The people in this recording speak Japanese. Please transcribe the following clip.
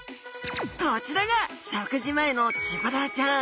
こちらが食事前のチゴダラちゃん。